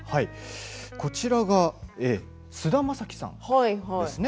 こちらが菅田将暉さんですね。